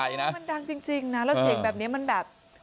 มันดังจริงนะแล้วเสียงแบบนี้มันแบบ